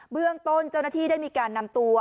เรื่องต้นเจ้าหน้าที่ได้มีการนำตัว